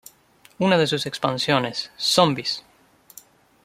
Una de sus expansiones, "Zombies!!!